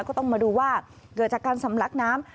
ก็ต้องมาดูว่าเกิดจากการสำลักน้ำ